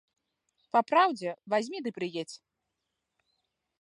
Папраўдзе, вазьмі ды прыедзь.